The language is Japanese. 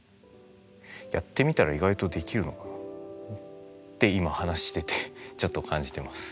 やってみたら意外とできるのかなって今話しててちょっと感じてます。